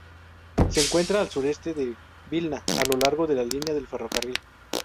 Se encuentra al sureste de Vilna a lo largo de la línea de ferrocarril.